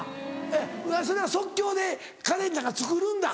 えっそれは即興でカレンちゃんが作るんだ。